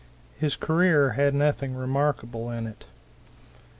His career had nothing remarkable in it.